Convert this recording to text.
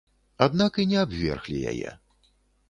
Аднак і не абверглі яе.